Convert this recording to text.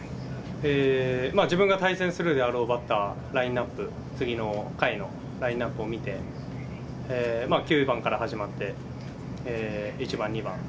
自分が対戦するであろうバッター、ラインナップ、次の下位のラインナップを見て、９番から始まって、１番、２番。